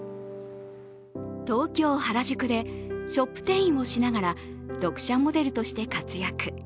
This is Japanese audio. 東京・原宿でショップ店員をしながら読者モデルとして活躍。